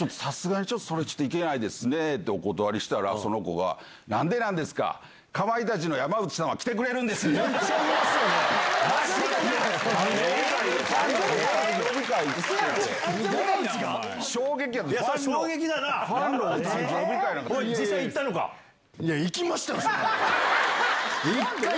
さすがにちょっとそれ、行けないですねってお断りしたら、その子が、なんでなんですか、かまいたちの山内さんは来てくれるんです誕生日会。